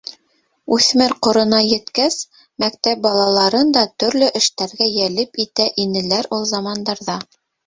Үҫмер ҡорона еткәс, мәктәп балаларын да төрлө эштәргә йәлеп итә инеләр ул замандарҙа.